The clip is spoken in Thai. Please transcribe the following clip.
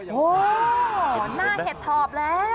โหน่าเห็ดถอบแล้ว